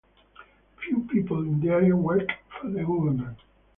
A few people in the area work for the government.